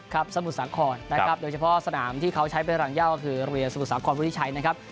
ครับสมุทรสังครนะครับโดยเฉพาะสนามที่เขาใช้เป็นสนามย่าวคือเรียนสมุทรสังครวิทชัยนะครับ